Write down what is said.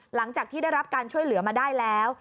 หลังจากที่ได้รับการช่วยเหลือมาได้แล้ว